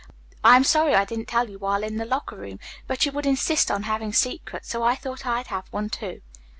I am sorry I didn't tell you while in the locker room, but you would insist on having secrets, so I thought I'd have one, too."